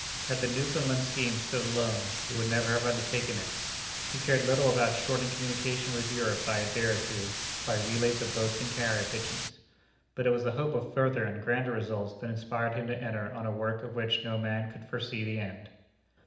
Had the Newfoundland scheme stood alone, he would never have undertaken it. He cared little about shortening communication with Europe by a day or two, by relays of boats and carrier pigeons. But it was the hope of further and grander results that inspired him to enter on a work of which no man could foresee the end.